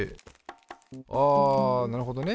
あなるほどね。